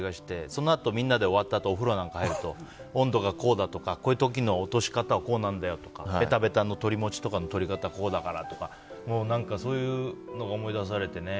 そのあと、みんなで終わったあとお風呂なんかに入ると温度がこうだとかこういう時の落とし方はこうなんだとかベタベタのとりもちの持ち方はこうだからとかそういうのが思い出されてね